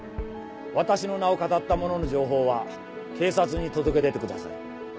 私の名をかたった者の情報は警察に届け出てください。